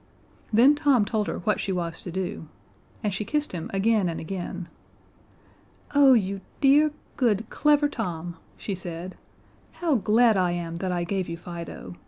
Then Tom told her what she was to do. And she kissed him again and again. "Oh, you dear, good, clever Tom," she said. "How glad I am that I gave you Fido.